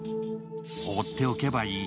放っておけばいい。